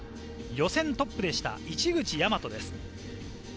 予選トップでした、市口大和です。